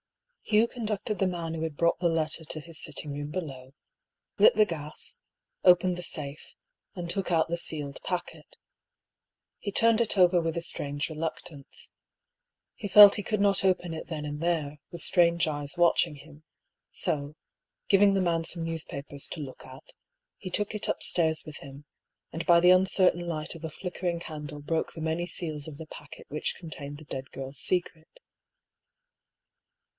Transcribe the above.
Hugh conducted the man who had brought the letter to his sitting room below, lit the gas, opened the safe, and took out the sealed packet. He turned it over with a strange reluctance. He felt he could not open it then and there, with strange eyes watching him ; so, giving the man some newspapers to look at, he took it upstairs with him, and by the uncertain light of a flickering candle broke the many seals of the packet which con tained the dead girl's secret.